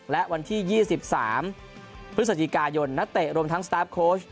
และวันที่๒๓พฤศจิกายนนักเตะรวมทั้งสตาร์ฟโค้ช